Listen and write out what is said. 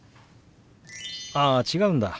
あ違うんだ。